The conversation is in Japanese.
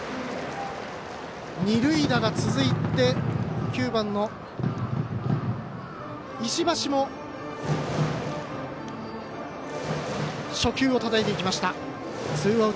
二塁打が続いて、石橋も初球をたたいていきました。